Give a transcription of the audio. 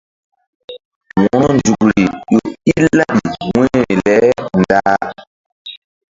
Wo̧ronzukri ƴo i laɓi wu̧yri le ndah.